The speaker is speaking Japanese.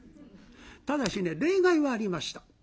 ただしね例外はありました。